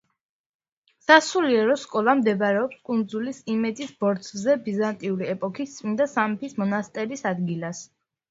სასულიერო სკოლა მდებარეობს კუნძულის „იმედის ბორცვზე“, ბიზანტიური ეპოქის წმინდა სამების მონასტერის ადგილას.